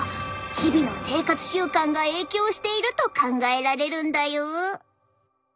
日々の生活習慣が影響していると考えられるんだよ。